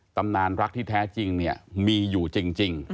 ตำนานรักที่แท้จริงเนี่ยมีอยู่จริง